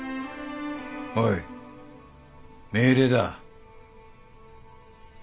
おい命令だ。